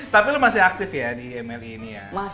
tapi lo masih aktif ya di mli ini ya